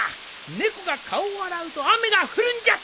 猫が顔を洗うと雨が降るんじゃった！